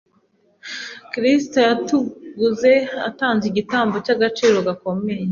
Kristo yatuguze atanze igitambo cy’agaciro gakomeye.